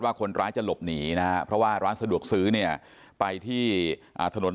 คนร้ายจะหลบหนีนะฮะเพราะว่าร้านสะดวกซื้อเนี่ยไปที่ถนน